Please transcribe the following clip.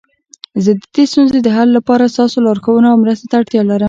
زه د دې ستونزې د حل لپاره ستاسو لارښوونو او مرستي ته اړتیا لرم